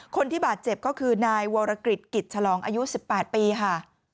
คนที่บาดเจ็บก็คือนายวรกฤษกิจฉลองอายุ๑๘ปีค่ะ